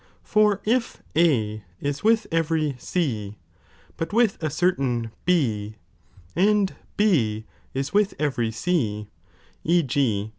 For if A is with every C, but with a cer ^oJ^Mi^'il''^ tain B, and B ia wiih every C ; e. g.